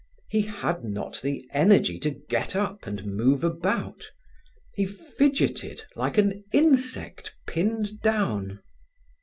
He had not the energy to get up and move about. He fidgeted like an insect pinned down.